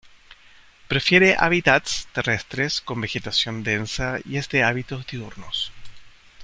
Prefiere hábitats terrestres con vegetación densa y es de hábitos diurnos.